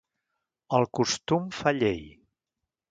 El costum fa llei.